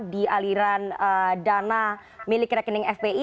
di aliran dana milik rekening fpi